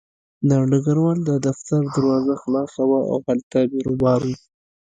د ډګروال د دفتر دروازه خلاصه وه او هلته بیروبار و